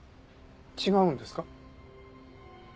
違うんですか？